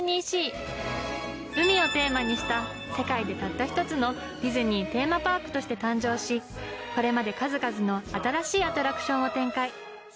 海をテーマにした世界でたった一つのディズニーテーマパークとして誕生しこれまで数々の新しいアトラクションを展開。